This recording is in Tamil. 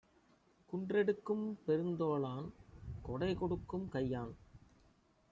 குன்றெடுக்கும் பெருந்தோளான் கொடைகொடுக்கும் கையான்!